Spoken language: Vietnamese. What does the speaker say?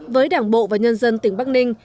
với đảng bộ và nhân dân tỉnh bắc ninh